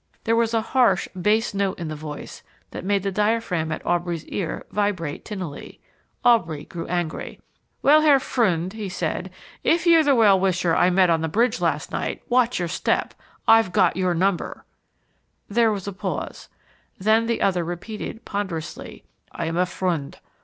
There was a harsh, bass note in the voice that made the diaphragm at Aubrey's ear vibrate tinnily. Aubrey grew angry. "Well, Herr Freund," he said, "if you're the well wisher I met on the Bridge last night, watch your step. I've got your number." There was a pause. Then the other repeated, ponderously, "I am a friend.